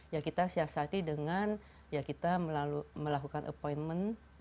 ya kita siasati dengan ya kita melakukan appointment